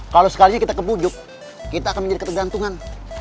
kalau sekalian kita kebujuk kita akan menjadi ketergantungan